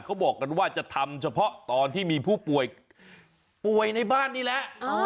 เขาบอกกันว่าจะทำเฉพาะตอนที่มีผู้ป่วยในบ้านนี่แหละ